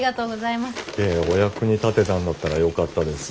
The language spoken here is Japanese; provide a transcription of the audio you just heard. いえお役に立てたんだったらよかったです。